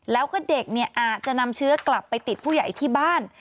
แล้วก็เด็กเนี่ยอาจจะนำเชื้อกลับไปติดผู้ใหญ่ที่บ้าน